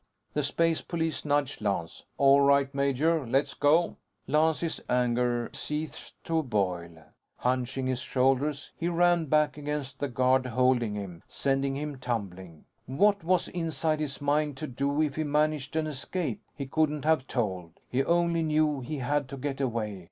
The space police nudged Lance. "All right, major. Let's go." Lance's anger seethed to a boil. Hunching his shoulders, he rammed back against the guard holding him, sending him tumbling. What was inside his mind to do if he managed an escape, he couldn't have told. He only knew he had to get away.